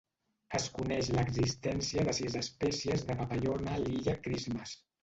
Es coneix l'existència de sis espècies de papallona a l'illa Christmas.